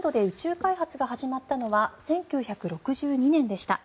そもそもインドで宇宙開発が始まったのは１９６２年でした。